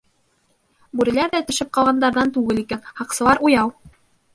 Бүреләр ҙә төшөп ҡалғандарҙан түгел икән, һаҡсылар уяу.